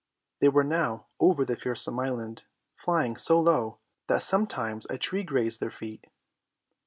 They were now over the fearsome island, flying so low that sometimes a tree grazed their feet.